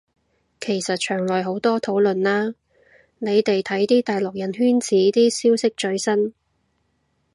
其實牆內好多討論啦，你哋睇啲大陸人圈子啲消息最新